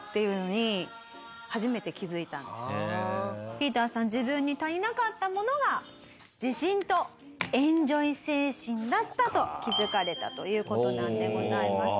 ＰＩＥＴＥＲさん自分に足りなかったものが自信とエンジョイ精神だったと気づかれたという事なんでございます。